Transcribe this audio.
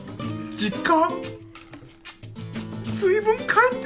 実家！